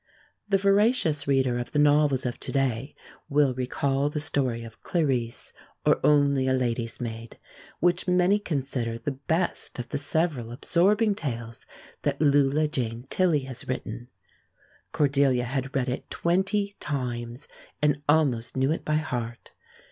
The voracious reader of the novels of to day will recall the story of Clarice, or Only a Lady's Maid, which many consider the best of the several absorbing tales that Lulu Jane Tilley has written. Cordelia had read it twenty times, and almost knew it by heart.